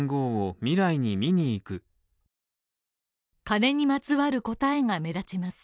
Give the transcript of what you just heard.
カネにまつわる答えが目立ちます。